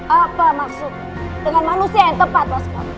apa maksud dengan manusia yang tepat mas